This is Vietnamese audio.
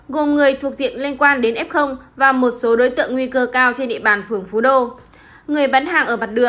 gồm người thuộc diện liên quan đến f và một số đối tượng nguy cơ cao trên địa bàn phường phú đô